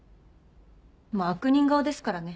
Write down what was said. まぁ悪人顔ですからね。